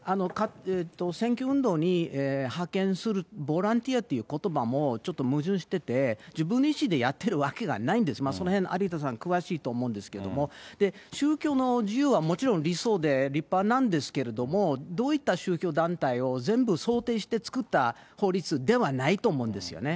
選挙運動に派遣するボランティアということばもちょっと矛盾してて、自分自身でやってるわけがないんです、そのへん、有田さん詳しいと思うんですけど、宗教の自由はもちろん、理想で、立派なんですけれども、どういった宗教団体を全部想定して作った法律ではないと思うんですよね。